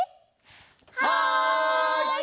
はい！